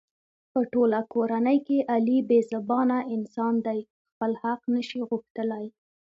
په ټوله کورنۍ کې علي بې زبانه انسان دی. خپل حق نشي غوښتلی.